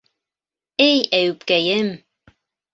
Эй Әйүпкәйем...